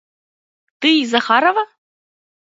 Тый — Захарова?